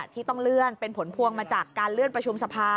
ที่ต้องเลื่อนเป็นผลพวงมาจากการเลื่อนประชุมสภา